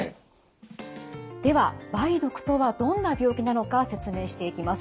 では梅毒とはどんな病気なのか説明していきます。